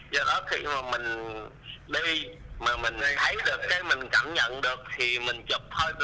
giờ đó thì mà mình đi mà mình thấy được cái mình cảm nhận được thì mình chụp thôi